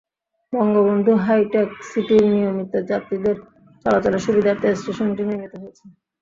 Bangabandhu hi tech সিটির নিয়মিত যাত্রীদের চলাচলের সুবিধার্থে স্টেশনটি নির্মিত হয়েছে।